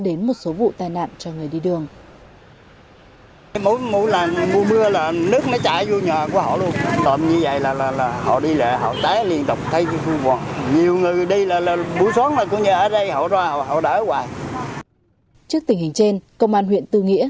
đến một số vụ tai nạn cho người đi đường trước tình hình trên công an huyện tư nghĩa